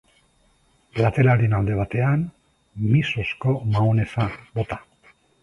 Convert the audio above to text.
Plateraren alde batean misozko mahonesa bota.